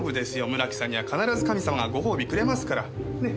村木さんには必ず神様がご褒美くれますから。ね。